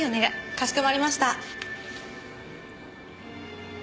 かしこまりました。